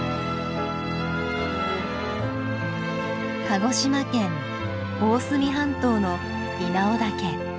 鹿児島県大隅半島の稲尾岳。